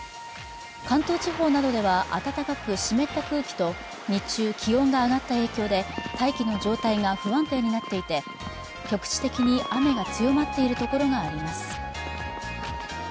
関東地方などでは暖かく湿った空気と日中気温が上がった影響で大気の状態が不安定になっていて局地的に雨が強まっているところがあります。